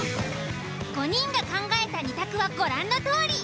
５人が考えた２択はご覧のとおり。